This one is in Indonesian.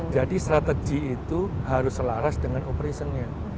jadi strategi itu harus selaras dengan operasinya